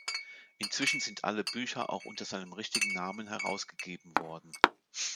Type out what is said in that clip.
Inzwischen sind alle Bücher auch unter seinem richtigen Namen herausgegeben worden.